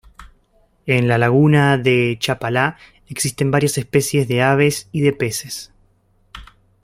En la laguna de Chapala existen varias especies de aves y de peces.